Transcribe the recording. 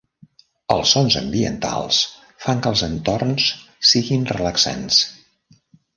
Els sons ambientals fan que els entorns siguin relaxants.